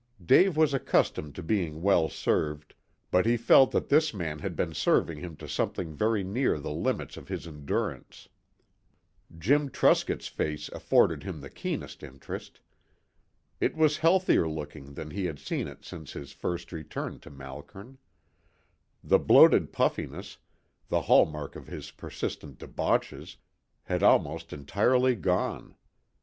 Dave was accustomed to being well served, but he felt that this man had been serving him to something very near the limits of his endurance. Jim Truscott's face afforded him the keenest interest. It was healthier looking than he had seen it since his first return to Malkern. The bloated puffiness, the hall mark of his persistent debauches, had almost entirely gone.